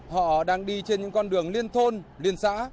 họ đang đi trên những con đường liên thôn liên xã vô cùng rảnh rẽ